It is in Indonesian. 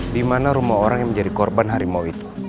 di mana rumah orang yang menjadi korban harimau itu